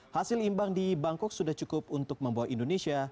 hasil imbang di bangkok sudah cukup untuk membawa indonesia